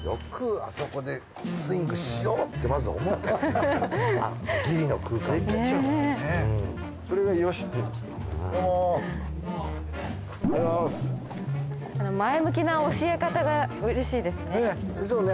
あの前向きな教え方がうれしいですね。